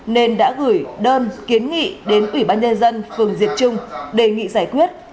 nên đã gửi đơn kiến nghị đến ủy ban nhân dân phường diệt trung đề nghị giải quyết